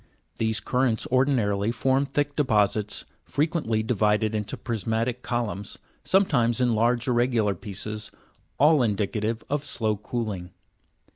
These currents ordinarily form thick deposits, frequently divided into prismatic columns, sometimes in large irregular pieces, all indicative of slow cooling.